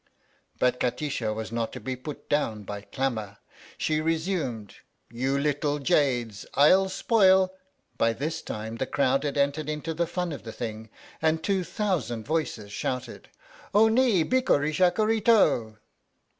But Kati sha was not to be put down by clamour. She resumed: You little jades, I'll spoil By this time the crowd had entered into the fun of the thing, and two thousand voices shouted: O ni! bikkuri shakkuri to!